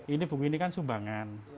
ini bumi ini kan sumbangan